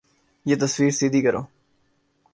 یہ تصویر سیدھی کرو